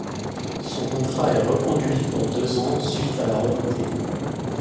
Son contrat est reconduit pour deux ans suite à la remontée.